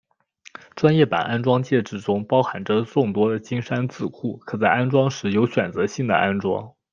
专业版安装介质中包含着众多的金山字库可在安装时有选择性的安装。